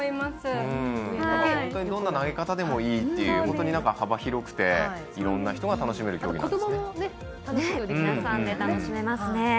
どんな投げ方でもいいと幅広くていろんな人が楽しめる競技なんですね。